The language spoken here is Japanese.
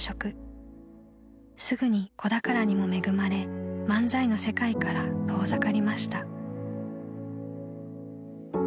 ［すぐに子宝にも恵まれ漫才の世界から遠ざかりました］